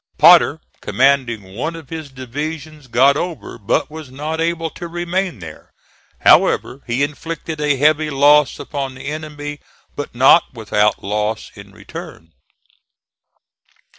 Potter, commanding one of his divisions, got over but was not able to remain there. However, he inflicted a heavy loss upon the enemy; but not without loss in return.